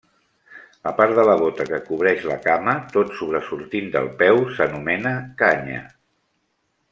La part de la bota que cobreix la cama tot sobresortint del peu s'anomena canya.